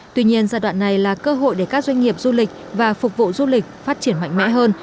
tuy nhiên giai đoạn này là cơ hội để các doanh nghiệp du lịch và phục vụ du lịch phát triển mạnh mẽ hơn